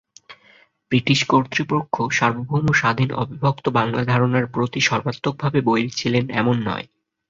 British কর্তৃপক্ষ সার্বভৌম স্বাধীন অবিভক্ত বাংলা ধারণার প্রতি সর্বাত্মকভাবে বৈরী ছিলেন এমন নয়।